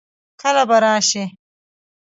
کله به راشي؟